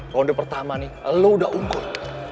ronde pertama nih lo udah unggul